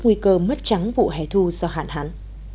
nguy cơ mất trắng vụ hẻ thu do hạn hán